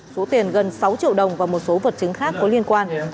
số tiền gần sáu triệu đồng và một số vật chứng khác có liên quan